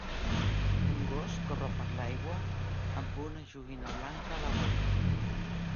Un gos corre per l'aigua amb una joguina blanca a la boca